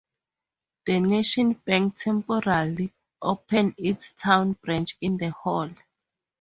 The National Bank temporarily opened its town branch in the hall.